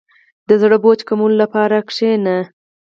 • د زړه بوج کمولو لپاره کښېنه.